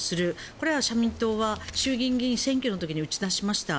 これが社民党は衆議院議員選挙の時に打ち出しました。